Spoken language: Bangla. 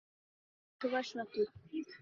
তারা যুক্তরাষ্ট্রে বসবাসরত।